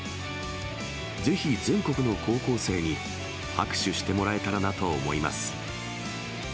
ぜひ、全国の高校生に拍手してもらえたらなと思います。